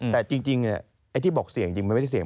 แต่จริงไอ้ที่บอกเสี่ยงจริงมันไม่ได้เสี่ย